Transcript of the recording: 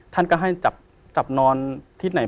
ท่านก็ให้จับนอนที่ไหน